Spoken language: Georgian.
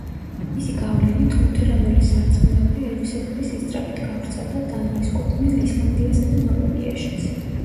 მისი გავლენით, ლუთერანული სარწმუნოება ელვისებური სისწრაფით გავრცელდა დანიის კუთვნილ ისლანდიასა და ნორვეგიაშიც.